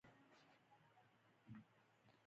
د ایران خودرو شرکت لوی دی.